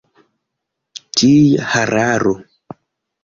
Tia hararo!